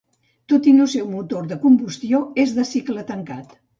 Tot i no ser un motor de combustió, és de cicle tancat.